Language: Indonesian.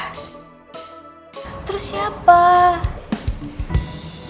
ntar lo juga tau